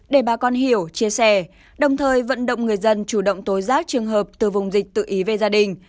để bà con hiểu chia sẻ đồng thời vận động người dân chủ động tối giác trường hợp từ vùng dịch tự ý về gia đình